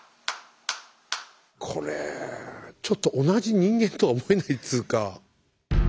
これちょっと同じ人間とは思えないっつうか。